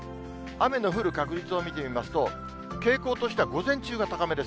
雨の降る確率を見てみますと、傾向としては午前中が高めです。